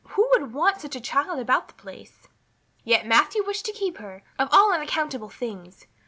Who would want such a child about the place? Yet Matthew wished to keep her, of all unaccountable things!